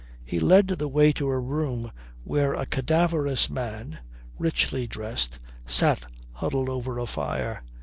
He led the way to a room where a cadaverous man, richly dressed, sat huddled over a fire.